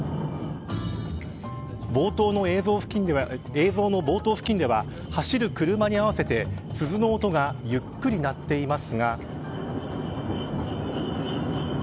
映像の冒頭付近では走る車に合わせて鈴の音がゆっくり鳴っていますが。